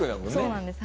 そうなんです。